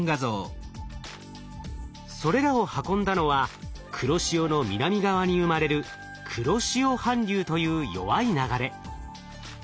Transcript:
それらを運んだのは黒潮の南側に生まれる黒潮反流という弱い流れ。